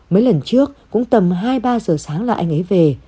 mấy lần trước cũng tầm hai ba giờ sáng là anh ấy về